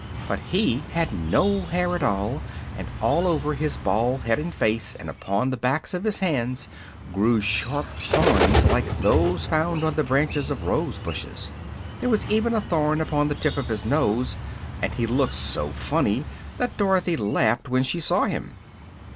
But he had no hair at all, and all over his bald head and face and upon the backs of his hands grew sharp thorns like those found on the branches of rose bushes. There was even a thorn upon the tip of his nose and he looked so funny that Dorothy laughed when she saw him.